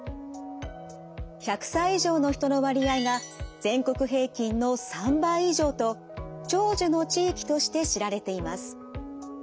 １００歳以上の人の割合が全国平均の３倍以上と長寿の地域として知られています。